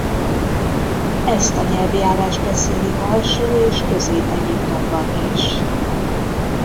Ezt a nyelvjárást beszélik Alsó és Közép-Egyiptomban is.